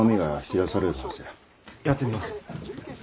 やってみます。